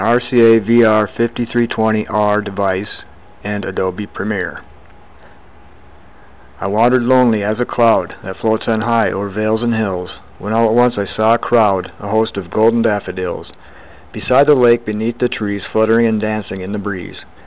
William Wordsworth I Wandered Lonely As a Cloud I WANDERED lonely as a cloud That floats on high o'er vales and hills, When all at once I saw a crowd, A host, of golden daffodils; Beside the lake, beneath the trees, Fluttering and dancing in the breeze.